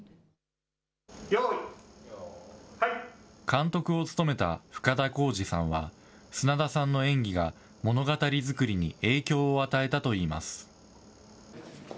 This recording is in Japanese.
監督を務めた深田晃司さんは、砂田さんの演技が物語作りに影響を与えたといいます。